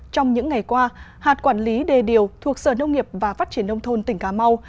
trong những ngày qua hạt quản lý đề điều thuộc sở nông nghiệp và phát triển nông thôn tỉnh cà mau